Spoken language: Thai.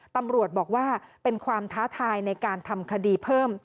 ตำรวจบอกว่าเป็นความท้าทายในการทำคดีเพิ่ม